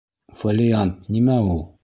Фолиант нимә ул?